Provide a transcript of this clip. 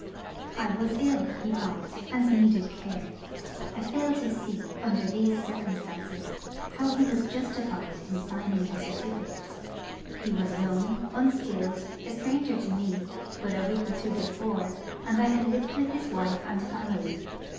I was ill, he thought, and needed care. I fail to see, under these circumstances, how he was justified in signing the certificate. He was young, unskilled, a stranger to me but a week or two before, and I had lived with his wife and family.